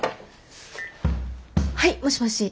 ☎はいもしもし。